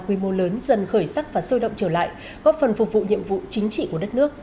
quy mô lớn dần khởi sắc và sôi động trở lại góp phần phục vụ nhiệm vụ chính trị của đất nước